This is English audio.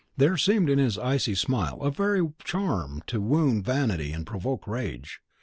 There seemed in his icy smile a very charm to wound vanity and provoke rage.